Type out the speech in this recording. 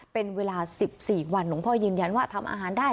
เป็นเวลา๑๔วันหลวงพ่อยืนยันว่าทำอาหารได้